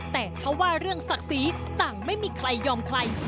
แต่ถ้าว่าเรื่องศักดิ์ศรีต่างไม่มีใครยอมใคร